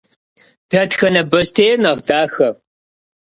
Дэтхэнэ бостейр нэхъ дахэ?